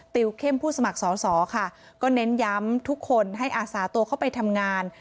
ติวเข้มผู้สมัครสอสอค่ะก็เน้นย้ำทุกคนให้อาสาตัวเข้าไปทำงาน